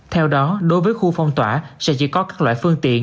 theo đó đối với khu phong tỏa sẽ chỉ có các loại phương tiện